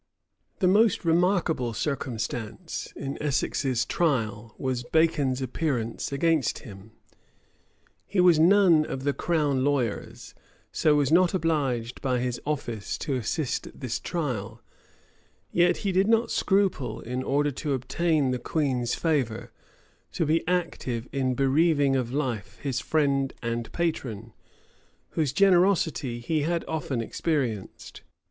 The most remarkable circumstance in Essex's trial was Bacon's appearance against him. He was none of the crown lawyers; so was not obliged by his office to assist at this trial: yet did he not scruple, in order to obtain the queen's favor, to be active in bereaving of life his friend and patron, whose generosity he had often experienced.